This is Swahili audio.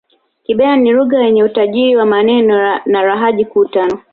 Kibena ni Lugha yenye utajiri wa maneno na lahaja kuu tano